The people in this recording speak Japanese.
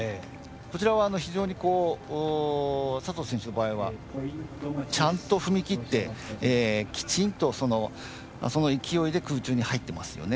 こちらは非常に佐藤選手の場合はちゃんと踏み切って、きちんとその勢いで空中に入ってますよね。